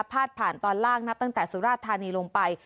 พาดผ่านตอนล่างนับตั้งแต่สุราชธานีลงไป